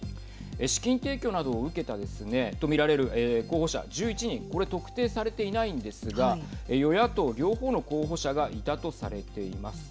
資金提供などを受けたですねと見られる候補者１１人これ特定されていないんですが与野党両方の候補者がいたとされています。